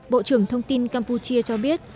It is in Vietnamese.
bộ trưởng thông tin campuchia cho biết